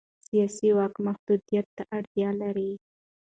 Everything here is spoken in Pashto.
سیاسي واک محدودیت ته اړتیا لري